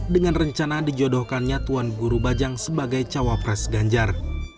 dengan rencana dijodohkannya tuan guru bajang sebagai cawapres ganjar